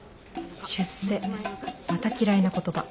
出世また嫌いな言葉